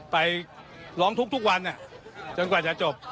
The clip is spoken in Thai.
ไปร้องทุกวันจนกว่าจะจบ